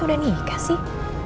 aldebaran sudah nikah sih